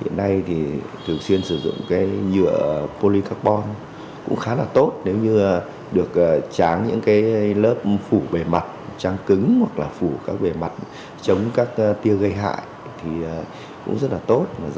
hiện nay thì thường xuyên sử dụng cái nhựa poly carbon cũng khá là tốt nếu như được tráng những lớp phủ bề mặt tráng cứng hoặc là phủ các bề mặt chống các tiêu gây hại thì cũng rất là tốt